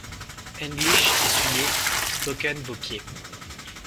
English, essuyez… spoken, vos pieds.